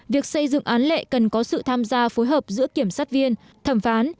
việc xây dựng án lệ cần có sự tham gia phối hợp giữa kiểm sát viên thẩm phán